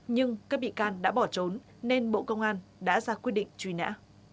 nhưng các bị can đã bỏ trốn nên bộ công an đã ra quyết định truy nã